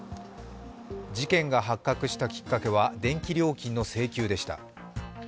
事件が発覚したきっかけは電気料金の請求でした。